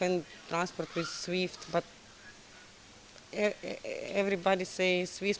mungkin transportasi masih bisa dengan swift